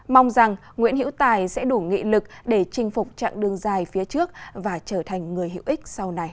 mong rằng nguyễn hiễu tài sẽ đủ nghị lực để chinh phục chặng đường dài phía trước và trở thành người hữu ích sau này